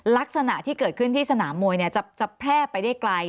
ลักษณะที่เกิดขึ้นที่สนามมวยจะแพร่ไปได้ไกล